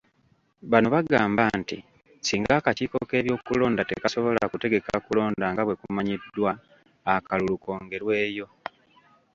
Bano bagamba nti singa akakiiko k'ebyokulonda tekasobola kutegeka kulonda nga bwe kumanyiddwa, akalulu kongerweyo.